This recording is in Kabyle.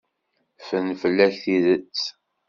Ffren fell-ak tidet.